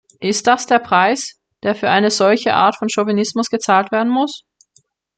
Ist das der Preis, der für eine solche Art von Chauvinismus gezahlt werden muss?